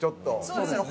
そうですね。